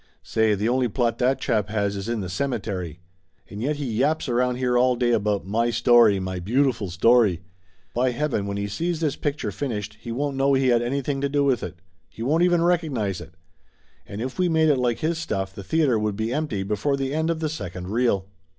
Say, the only plot that chap has is in the cemetery! And yet he yaps around here all day about 'my story, my beautiful story.' By heaven, when he sees this picture finished he won't know he had anything to do with it. He won't even recognize it! And if we made it like his stuff the theater would be empty before the end of the second reel